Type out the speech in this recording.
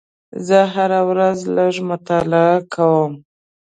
زه هره ورځ لږ مطالعه کوم.